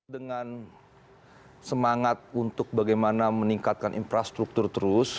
dengan semangat untuk bagaimana meningkatkan infrastruktur terus